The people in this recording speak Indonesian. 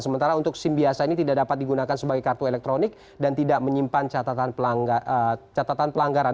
sementara untuk sim biasa ini tidak dapat digunakan sebagai kartu elektronik dan tidak menyimpan catatan pelanggaran